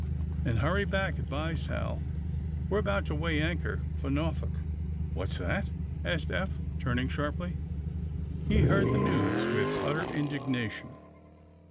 '' And hurry back, '' advised Ha"? .'' We 're about to weigh anchor for Norfolk." "What's that?" asked Eph, turning sharply* AND THE SMUGGLEES 105 He heard the news with utter indignation.